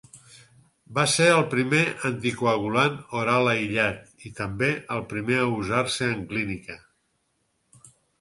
Va ser el primer anticoagulant oral aïllat, i també, el primer a usar-se en clínica.